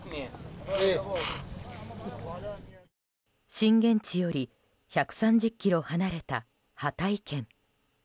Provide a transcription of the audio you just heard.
震源地より１３０ｋｍ離れたハタイ県。